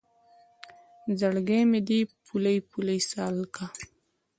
زړګی مې دی پولۍ پولۍ سالکه